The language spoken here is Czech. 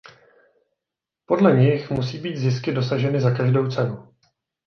Podle nich musí být zisky dosaženy za každou cenu.